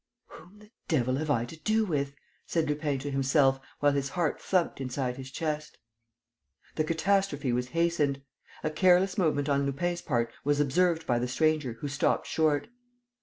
"Whom the devil have I to do with?" said Lupin to himself, while his heart thumped inside his chest. The catastrophe was hastened. A careless movement on Lupin's part was observed by the stranger, who stopped short.